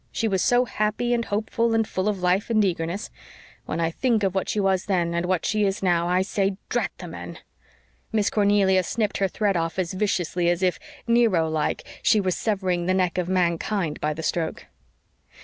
She was so happy and hopeful and full of life and eagerness. When I think of what she was then and what she is now, I say drat the men!" Miss Cornelia snipped her thread off as viciously as if, Nero like, she was severing the neck of mankind by the stroke.